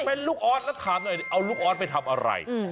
เป็นลูกออสแล้วถามหน่อยเอาลูกออสไปทำอะไร